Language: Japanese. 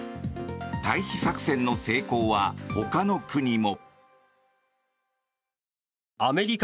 退避作戦の成功は、ほかの国も。